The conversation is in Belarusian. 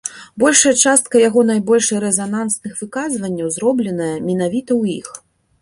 Большая частка яго найбольш рэзанансных выказванняў зробленая менавіта ў іх.